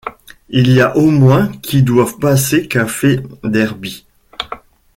Il y a au moins qui doivent passer Café Derby.